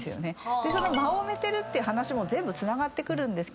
その間を埋めてるって話も全部つながってくるんですけど